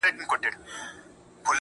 • بابولاره وروره راسه تې لار باسه.